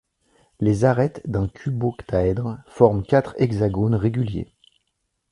Les arêtes d'un cuboctaèdre forment quatre hexagones réguliers.